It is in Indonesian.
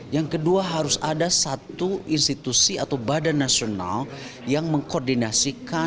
yang kedua harus ada satu institusi atau badan nasional yang mengkoordinasikan